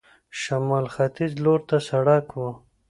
شمال ختیځ لور ته سړک و.